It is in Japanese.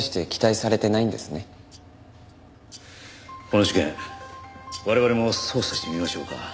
この事件我々も捜査してみましょうか。